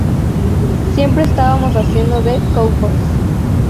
Siempre estábamos haciendo de cowboys.